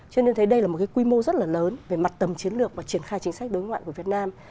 cho nên thấy đây là một cái quy mô rất là lớn về mặt tầm chiến lược và triển khai chính sách đối ngoại của việt nam